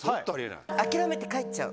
諦めて帰っちゃう。